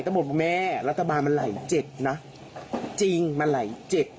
แต่บอกบุญแม่รัฐบาลมันไหล๗นะจริงมันไหล๗